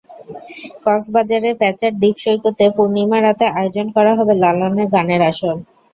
কক্সবাজারের প্যাঁচার দ্বীপ সৈকতে পূর্ণিমা রাতে আয়োজন করা হবে লালনের গানের আসর।